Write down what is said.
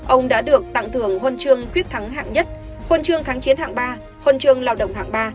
ông đã được tặng thưởng huân chương quyết thắng hạng nhất huân chương kháng chiến hạng ba huân chương lao động hạng ba